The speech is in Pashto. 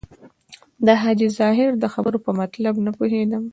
د حاجي ظاهر د خبرو په مطلب نه پوهېدم.